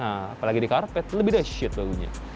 apalagi di karpet lebih deh shit baunya